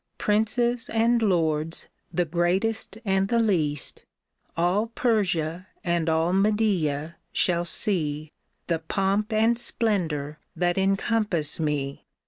Princes and lords, the greatest and the least, All Persia and all Media, shall see The pomp and splendor that encompass me.